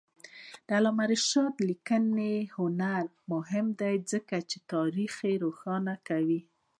د علامه رشاد لیکنی هنر مهم دی ځکه چې تاریخ روښانه کوي.